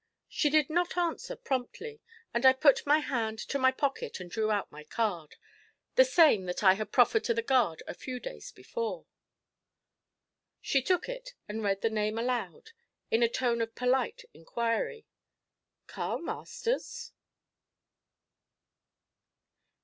She did not answer promptly, and I put my hand to my pocket and drew out my card the same that I had proffered to the guard a few days before. She took it and read the name aloud, and in a tone of polite inquiry: 'Carl Masters?'